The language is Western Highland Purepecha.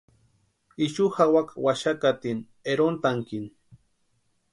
Ixu jawaka waxakatini erontankini.